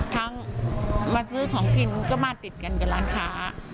ทั้งมาซื้อของกินก็มาติดกันกับร้านค้า